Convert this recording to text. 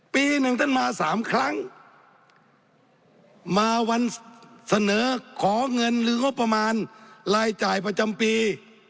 ปีหนึ่งท่านมาสามครั้งมาวันเสนอขอเงินหรืองบประมาณรายจ่ายประจำปี